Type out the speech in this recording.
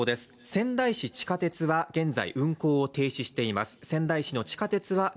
仙台市地下鉄は現在運行を停止しています。